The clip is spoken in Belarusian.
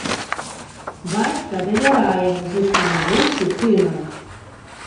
Бацька давярае музычнаму густу сына.